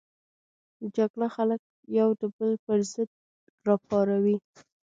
جګړه خلک یو د بل پر ضد راپاروي